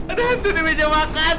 ada hantu di meja makan